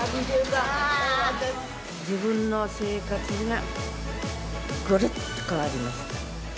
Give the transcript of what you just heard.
自分の生活がぐるっと変わりました。